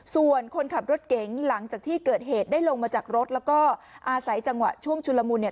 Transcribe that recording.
ส่วนคนขับรถเก๋งหลังจากที่เกิดเหตุได้ลงมาจากรถแล้วก็อาศัยจังหวะช่วงชุลมุนเนี่ย